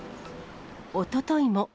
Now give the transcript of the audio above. おとといも。